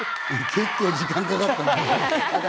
結構、時間かかったね。